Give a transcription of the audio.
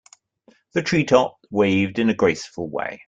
The tree top waved in a graceful way.